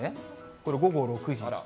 これ午後６時。